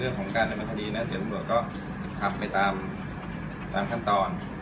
เรื่องของการยังไงพอดีนะเดี๋ยวผมก็ขับไปตามขั้นตอน